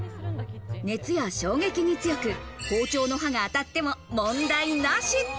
熱や衝撃に強く包丁の刃が当たっても問題なし。